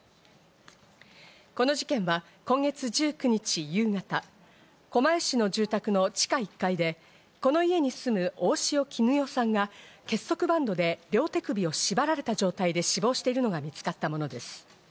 この事件は今月１９日夕方、狛江市の住宅の地下１階でこの家に住む大塩衣与さんが結束バンドで両手首を縛られた状態で死亡しているのが見つかったものです。